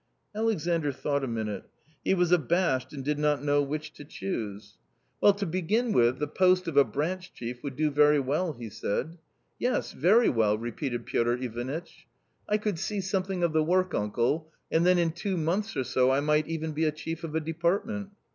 Alexandr thought a minute. He was abashed and did not know which to choose. \S A COMMON STORY 55 " Well, to begin with the post of a branch chief would do very well," he said. " Yes, very well !" repeated Piotr Ivanitch. "I could see something of the work, uncle, and then in two months or so I might even be a chief of a depart ment."